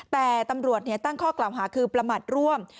แต่ตำรวจตั้งข้อกล่าวหาคือประมาทร่วม